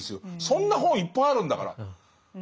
そんな本いっぱいあるんだから。